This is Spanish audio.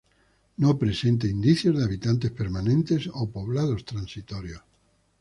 No presenta indicios de habitantes permanentes o poblados transitorios.